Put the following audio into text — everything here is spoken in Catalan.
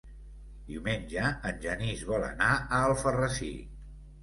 Diumenge en Genís vol anar a Alfarrasí.